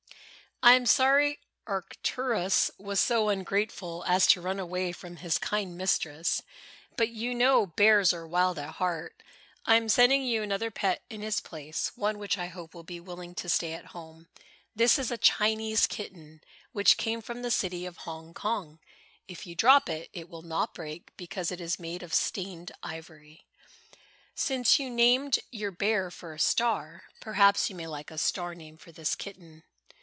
I am sorry Arcturus was so ungrateful as to run away from his kind mistress, but you know bears are wild at heart. I am sending you another pet in his place, one which I hope will be willing to stay at home. This is a Chinese kitten which came from the city of Hong Kong. If you drop it, it will not break because it is made of stained ivory. "Since you named your bear for a star, perhaps you may like a star name for this kitten.